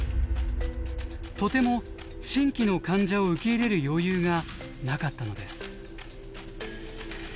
とても新規の患者を受け入れる余裕がなかったのです。